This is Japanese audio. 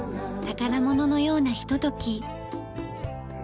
宝物のようなひととき。